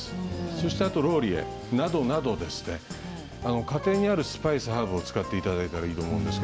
そして、ローリエなどなど家庭にあるスパイスのハーブを使っていただければと思います。